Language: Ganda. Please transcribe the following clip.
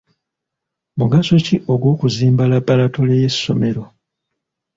Mugaso ki ogw'okuzimba labalatole y'essomero?